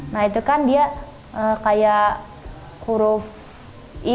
nah itu kan dia kayak huruf i